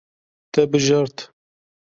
Te bijart.